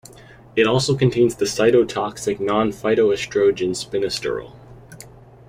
It also contains the cytotoxic non-phytoestrogen spinasterol.